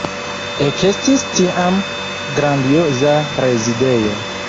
Ekestis tiam grandioza rezidejo.